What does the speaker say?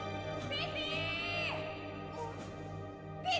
ピピ！